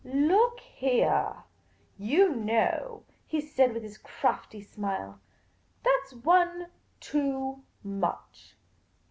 " L,ook heah, you know," he said, with his crafty smile ;" that 's one too much.